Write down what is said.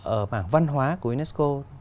ở mảng văn hóa của unesco